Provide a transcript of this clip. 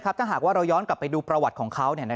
ครับถ้าหากว่าเราย้อนกลับไปดูประวัติของเขาเนี่ยนะ